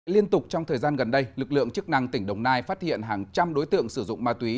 liên tục trong thời gian gần đây lực lượng chức năng tỉnh đồng nai phát hiện hàng trăm đối tượng sử dụng ma túy